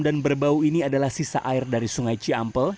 dan bau ini adalah sisa air dari sungai ciampl